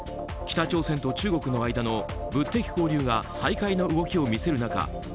北朝鮮と中国の間の物的交流が再開の動きを見せる中